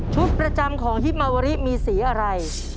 ประจำของฮิปมาวริมีสีอะไร